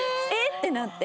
ってなって。